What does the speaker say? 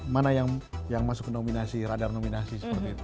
mana yang masuk ke nominasi radar nominasi seperti itu